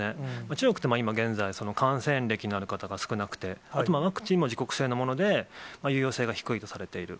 中国って今現在、感染歴のある方が少なくて、ワクチンも自国製のもので、有用性が低いとされている。